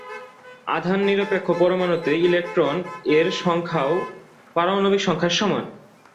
আধান নিরপেক্ষ পরমাণুতে ইলেকট্রন-এর সংখ্যাও পারমাণবিক সংখ্যার সমান।